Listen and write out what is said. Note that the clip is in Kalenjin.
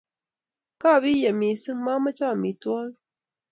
Kaapiye missing' mamoche amitwogik